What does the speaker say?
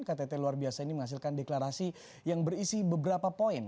ktt luar biasa ini menghasilkan deklarasi yang berisi beberapa poin